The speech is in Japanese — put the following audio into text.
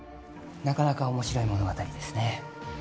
なかなか面白い物語ですね